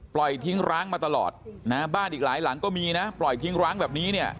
ปล่อยทิ้งร้างมาตลอดนะบ้านอีกหลายหลังก็มีนะปล่อยทิ้งร้างแบบนี้เนี่ย